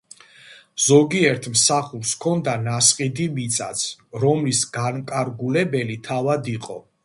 ზოგიერთ მსახურს ჰქონდა ნასყიდი მიწაც, რომლის განმკარგულებელი თავად იყო.